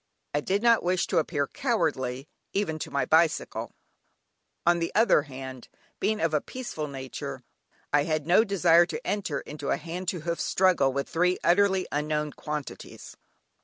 I did not wish to appear cowardly, even to my bicycle; on the other hand, being of a peaceful nature, I had no desire to enter into a hand to hoof struggle with three utterly unknown quantities.